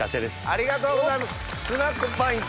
ありがとうございます！